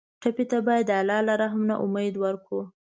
ټپي ته باید د الله له رحم نه امید ورکړو.